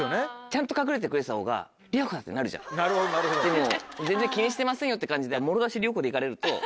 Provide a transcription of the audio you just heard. でも「全然気にしてませんよ」って感じで。